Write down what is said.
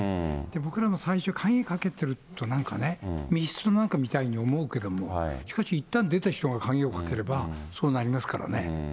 僕らも最初、鍵かけてるなんていうと密室の中みたいに思うけれども、しかしいったん出た人が鍵をかければ、そうなりますからね。